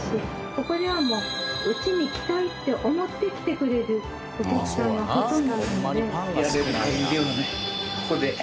ここではもううちに来たいって思って来てくれるお客さんがほとんどなので。